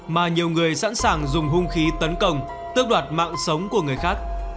mà nhiều người sẵn sàng dùng hung khí tấn công tước đoạt mạng sống của người khác